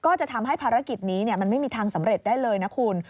จะทำให้ภารกิจนี้มันไม่มีทางสำเร็จได้เลยนะคุณ